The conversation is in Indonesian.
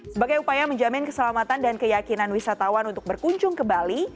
sebagai upaya menjamin keselamatan dan keyakinan wisatawan untuk berkunjung ke bali